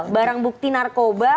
barang bukti narkoba